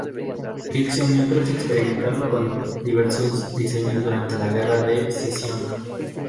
Ericsson y otros experimentaron con diversos diseños durante la guerra de Secesión.